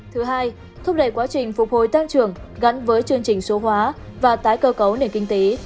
thứ hai thúc đẩy quá trình phục hồi tăng trưởng gắn với chương trình số hóa và tái cơ cấu nền kinh tế